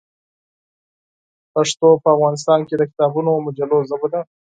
پښتو په افغانستان کې د کتابونو او مجلو ژبه ده.